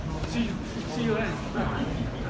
ขอบคุณครับ